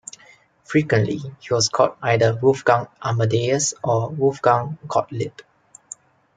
Frequently, he was called either "Wolfgang Amadeus" or "Wolfgang Gottlieb".